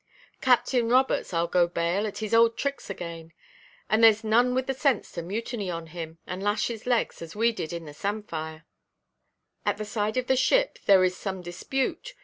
"Captain Roberts, Iʼll go bail, at his old tricks again. And thereʼs none with the sense to mutiny on him, and lash his legs, as we did in the Samphire." "At the side of the ship there is some dispute.